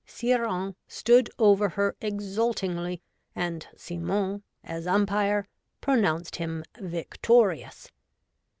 Sire Hains stood over her exultingly, and Symon, as umpire, pro nounced him victorious.